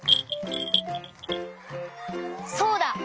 そうだ！